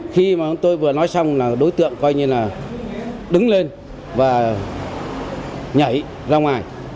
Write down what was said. khi mà tôi vừa nói xong là đối tượng coi như là đứng lên và nhảy ra ngoài